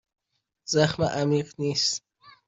زخم عمیق نیست.